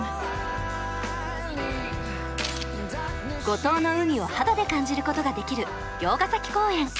五島の海を肌で感じることができる魚津ヶ崎公園。